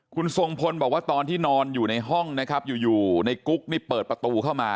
คุณทรงพลบอกว่าตอนที่นอนอยู่ในห้องนะครับอยู่ในกุ๊กนี่เปิดประตูเข้ามา